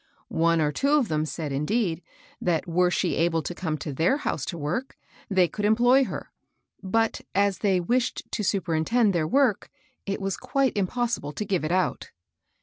One or two of them said^ indeed, tl^at, were me able to come to their house to' work, they could em ploy her; but, as they wished to superintend their work, it was quite impossible to give it out.